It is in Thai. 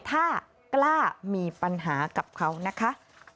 ถ้ากล้ามีปัญหากับเขานะคะ